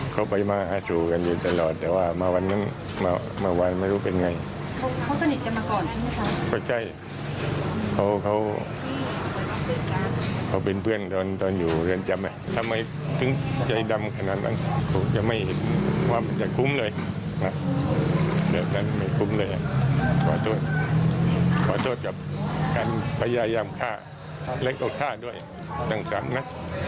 คงจะไม่คุ้มเลยโทษความพยายามค่าเล็กออกค่าด้วยจังสารนะ